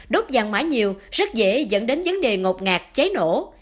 đốt vàng mã nhiều rất dễ dẫn đến vấn đề ngột ngạc cháy nổ